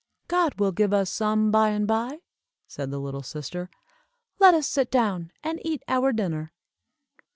"God will give us some by and by," said the little sister. "Let us sit down and eat our dinner."